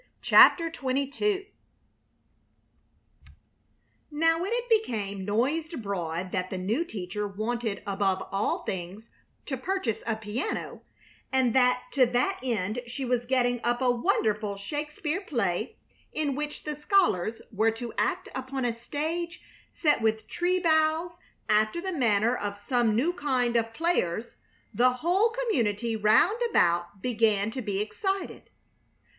CHAPTER XXII Now when it became noised abroad that the new teacher wanted above all things to purchase a piano, and that to that end she was getting up a wonderful Shakespeare play in which the scholars were to act upon a stage set with tree boughs after the manner of some new kind of players, the whole community round about began to be excited.